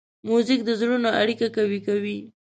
موزیک د زړونو اړیکه قوي کوي.